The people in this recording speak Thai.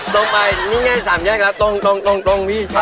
ป้องไปนี้ไง๓แยศค่ะต่องพี่ใช่